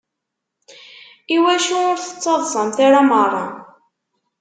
Iwacu ur tettaḍsamt ara merra?